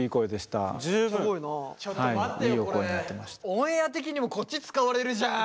オンエア的にもこっち使われるじゃん！